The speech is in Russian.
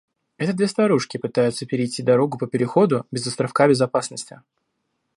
Это две старушки пытаются перейти дорогу по переходу без островка безопасности